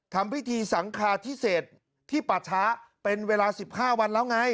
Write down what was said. ทำพิธีสังคาพิเศษที่ป่าช้าเป็นเวลา๑๕วันแล้วไง